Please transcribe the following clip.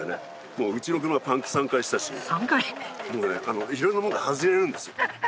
もううちの車パンク３回したし３回もうね色んなもんが外れるんですよ